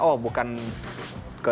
oh bukan ke dua